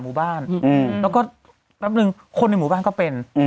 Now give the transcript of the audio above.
หมู่บ้านแล้วก็แป๊บนึงคนในหมู่บ้านก็เป็น